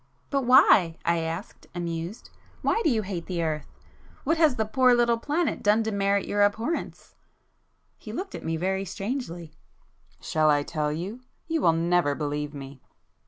"But why?" I asked, amused—"Why do you hate the Earth? What has the poor little planet done to merit your abhorrence?" He looked at me very strangely. "Shall I tell you? You will never believe me!"